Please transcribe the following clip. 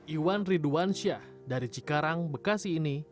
iwan ridwan syah dari cikarang bekasi ini